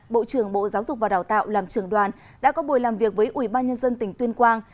bộ trưởng bộ giáo dục và đào tạo làm trưởng đoàn đã có buổi làm việc với ubnd tỉnh tuyên quang